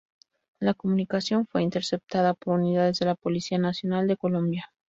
La comunicación fue interceptada por unidades de la Policía Nacional de Colombia.